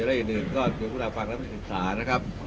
ได้อีกนรหน่อยก็ถึงแต่ฟังแล้วอีกไม่ก็ซ่านะครับ